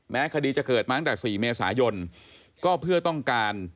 คดีจะเกิดมาตั้งแต่๔เมษายนก็เพื่อต้องการ